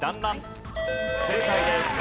正解です。